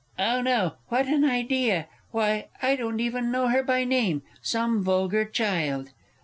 Oh, no, what an idea! Why, I don't even know her by name! Some vulgar child